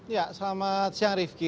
ya selamat siang rifki